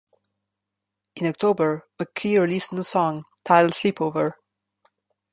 In October, McKee released a new song titled Sleepwalker.